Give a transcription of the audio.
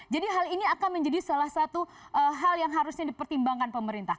jadi hal ini akan menjadi salah satu hal yang harusnya dipertimbangkan pemerintah